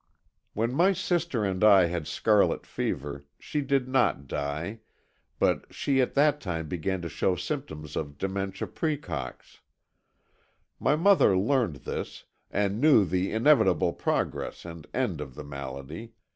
When my sister and I had scarlet fever, she did not die, but she at that time began to show symptoms of dementia praecox. My mother learned this, and knew the inevitable progress and end of the malady.